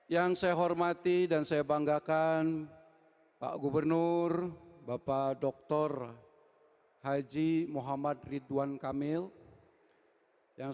yang saya hormati dan saya banggakan pak gubernur bapak dr haji muhammad ridwan kamil yang